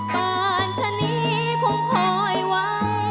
ป่านชะนีคงคอยว่า